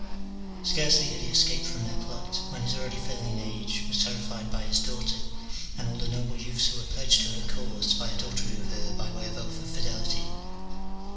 Scarcely had he escaped from their plot, when his already failing age was terrified by his daughter and all the noble youths who were pledged to her cause by adultery with her by way of oath of fidelity.